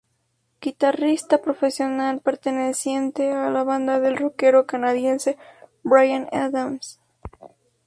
Guitarrista profesional, perteneciente a la banda del rockero canadiense Bryan Adams.